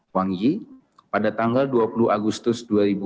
wangi pada tanggal dua puluh agustus dua ribu dua puluh